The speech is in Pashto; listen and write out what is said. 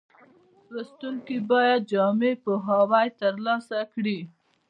لوستونکي باید جامع پوهاوی ترلاسه کړي.